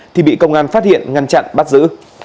thì bị công an phát hiện ngăn chặn bắt giữ